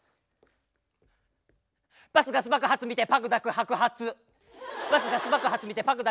バスガス爆発見てパグ抱く白髪。